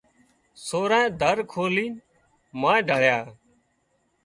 سورانئين در کولينَ مانئين ڍۯيا